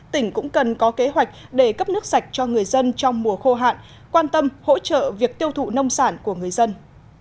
tỉnh cũng cần có kế hoạch để cấp nước sạch cho người dân trong mùa khô hạn quan tâm hỗ trợ việc tiêu thụ nông sản của người dân